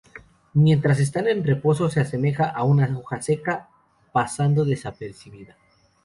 Mientras están en reposo se asemeja a una hoja seca, pasando desapercibida.